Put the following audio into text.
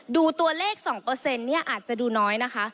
ดูตัวเลข๒อาจจะดูน้อยนะคะ